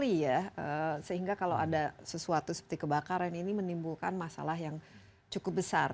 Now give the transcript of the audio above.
jadi banyak sekali ya sehingga kalau ada sesuatu seperti kebakaran ini menimbulkan masalah yang cukup besar